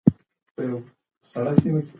جګړه د بربادي او ماتم پیغام راوړي.